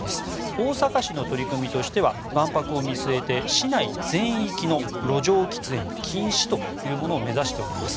大阪市の取り組みとしては万博を見据えて市内全域の路上喫煙禁止というものを目指しております。